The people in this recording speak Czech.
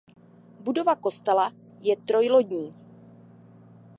Budova kostela je trojlodní.